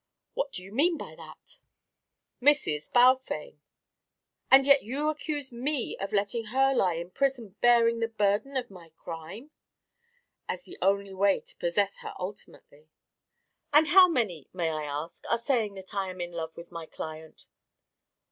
"What do you mean by that?" "Mrs. Balfame." "And yet you accuse me of letting her lie in prison bearing the burden of my crime?" "As the only way to possess her ultimately." "And how many, may I ask, are saying that I am in love with my client?"